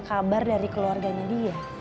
kabar dari keluarganya dia